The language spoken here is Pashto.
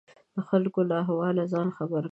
د خلکو له احواله ځان خبر کړي.